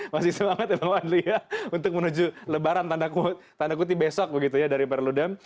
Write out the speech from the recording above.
masih semangat ya pak wandi ya untuk menuju lebaran tanda kutip besok begitu ya dari perludem